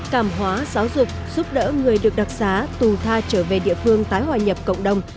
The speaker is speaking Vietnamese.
cảm hóa giáo dục giúp đỡ người được đặc giá tù tha trở về địa phương tái hòa nhập cộng đồng